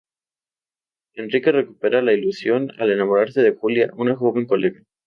Enrique recupera la ilusión al enamorarse de Julia, una joven colega.